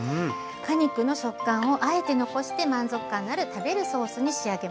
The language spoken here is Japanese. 果肉の食感をあえて残して満足感のある食べるソースに仕上げました。